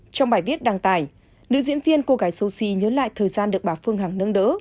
trong bài viết đăng tải nữ diễn viên cô gái sosi nhớ lại thời gian được bà phương hằng nâng đỡ